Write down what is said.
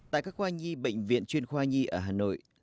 tại các khoa nhi bệnh viện chuyên khoa nhi ở hà nội